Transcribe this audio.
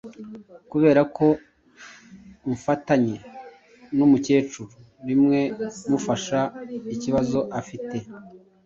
kubera ko umfatanye n’umukecuru rimwe mufasha ikibazo afite,